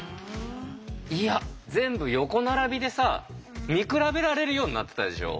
いや全部横並びでさ見比べられるようになってたでしょ？